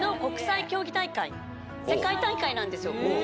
世界大会なんですよ。